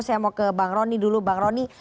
saya mau ke bang rony dulu bang roni